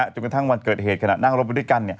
จนกระทั่งวันเกิดเหตุขณะนั่งรถไปด้วยกัน